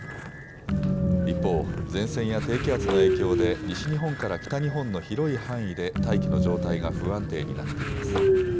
一方、前線や低気圧の影響で西日本から北日本の広い範囲で大気の状態が不安定になっています。